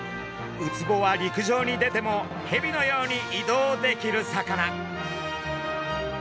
ウツボは陸上に出てもヘビのように移動できる魚。